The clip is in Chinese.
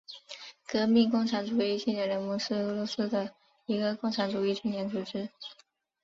革命共产主义青年联盟是俄罗斯的一个共产主义青年组织。